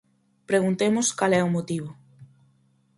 Preguntemos cal é o motivo.